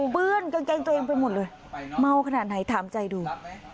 เปื้อนกางเกงตัวเองไปหมดเลยเมาขนาดไหนถามใจดู